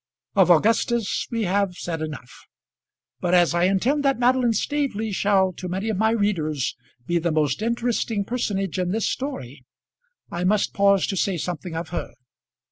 Of Augustus we have said enough; but as I intend that Madeline Staveley shall, to many of my readers, be the most interesting personage in this story, I must pause to say something of her.